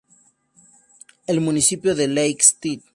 El municipio de Lake St.